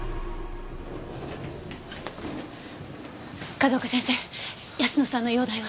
風丘先生泰乃さんの容体は？